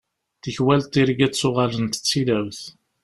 Tikwal tirga ttuɣalent d tilawt.